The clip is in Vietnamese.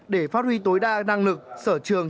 để phát huy tối đa năng lực sở trường